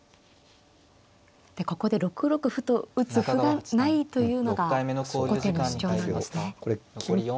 でここで６六歩と打つ歩がないというのが後手の主張なんですね。